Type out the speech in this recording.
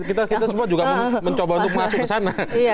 kita semua juga mencoba untuk masuk ke sana